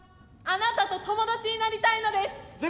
あなたと友達になりたいのです。